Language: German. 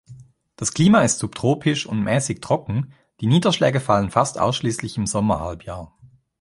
Das Klima ist subtropisch und mäßig trocken, die Niederschläge fallen fast ausschließlich im Sommerhalbjahr.